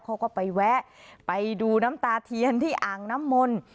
เขาก็ไปแวะไปดูน้ำตาเทียนที่อ่างน้ำมนต์